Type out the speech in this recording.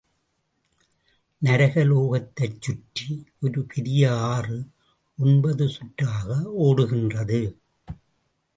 நரக லோகத்தைச் சுற்றி ஒரு பெரிய ஆறு ஒன்பது சுற்றாக ஒடுகின்றது.